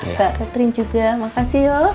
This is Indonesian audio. mbak katrin juga makasih yuk